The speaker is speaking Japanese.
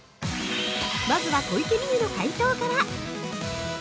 まずは、小池美由の解答から。